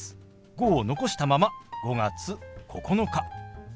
「５」を残したまま「５月９日」。